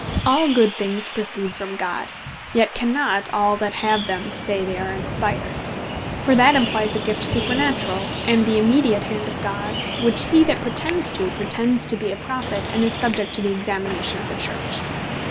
All good things proceed from God; yet cannot all that have them, say they are Inspired; for that implies a gift supernaturall, and the immediate hand of God; which he that pretends to, pretends to be a Prophet, and is subject to the examination of the Church.